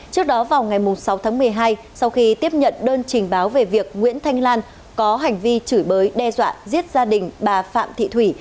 trước đó vào ngày sáu tháng một mươi hai sau khi tiếp nhận đơn trình báo về việc nguyễn thanh lan có hành vi chửi bới đe dọa giết gia đình bà phạm thị thủy